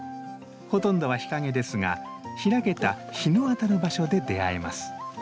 ほとんどは日陰ですが開けた日の当たる場所で出会えます。